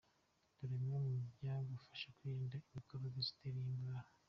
Dore bimwe mu byagufasha kwirinda imicrobes zitera iyi ndwara.